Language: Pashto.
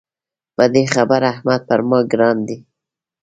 په دې خبره احمد پر ما ګران دی.